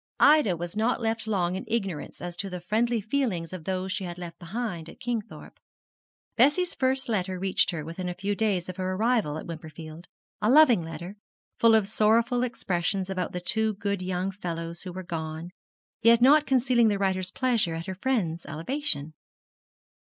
Ida was not left long in ignorance as to the friendly feelings of those she had left behind at Kingthorpe. Bessie's first letter reached her within a few days of her arrival at Wimperfield a loving little letter, full of sorrowful expressions about the two good young fellows who were gone, yet not concealing the writer's pleasure at her friend's elevation.